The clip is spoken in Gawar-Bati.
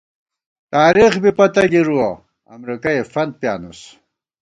تارېخ بی پتہ گِرُوَہ، امرېکَئے فنت پِیانُوس